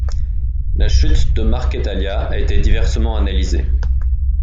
La chute de Marquetalia a été diversement analysée.